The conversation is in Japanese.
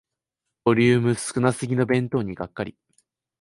ボリューム少なすぎの弁当にがっかり